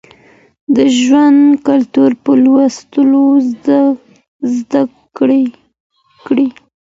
د ژوند کلتور په لوستلو زده کېږي.